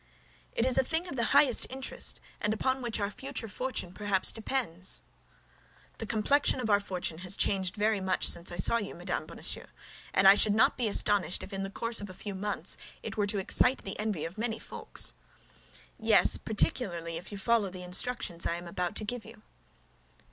"It is a thing of the highest interest, and upon which our future fortune perhaps depends." "The complexion of our fortune has changed very much since I saw you, Madame Bonacieux, and I should not be astonished if in the course of a few months it were to excite the envy of many folks." "Yes, particularly if you follow the instructions I am about to give you."